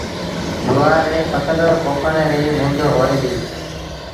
گُوآر ري ڦسل پوکڻ ريٚ با مند هوئي ديٚ۔